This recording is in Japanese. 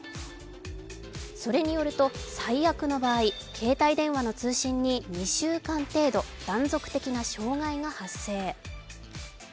それによると、最悪の場合携帯電話の通信に２週間程度断続的な障害が発生。